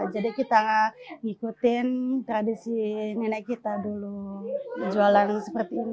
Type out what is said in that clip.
kita ngikutin tradisi nenek kita dulu jualan seperti ini